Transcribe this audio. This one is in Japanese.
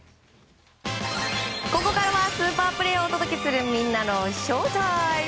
ここからはスーパープレーをお届けするみんなのＳＨＯＷＴＩＭＥ。